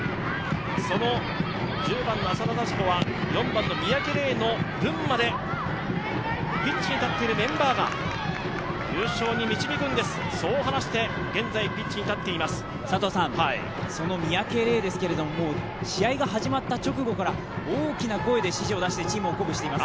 その１０番の浅田幸子はみんなの分までピッチに立っているメンバーが優勝に導くんですと話してその三宅怜ですが、試合が始まった直後から大きな声で指示を出してチームを鼓舞しています。